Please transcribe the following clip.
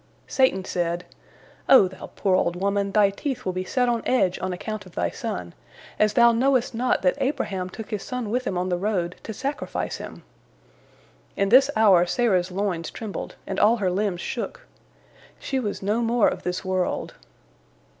Satan said: "O thou poor old woman, thy teeth will be set on edge on account of thy son, as thou knowest not that Abraham took his son with him on the road to sacrifice him." In this hour Sarah's loins trembled, and all her limbs shook. She was no more of this world.